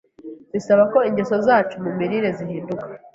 Bisaba ko ingeso zacu mu mirire zihinduka